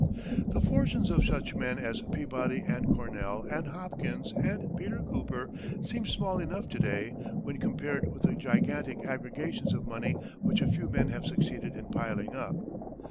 The fortunes of such men as Peabody and Cornell and Hopkins and Peter Cooper seem small enough to day when compared with the gigantic aggregations of money which a few men have succeeded in piling up.